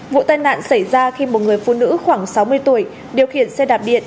vụ tai nạn xảy ra khi một người phụ nữ khoảng sáu mươi tuổi điều khiển xe đạp điện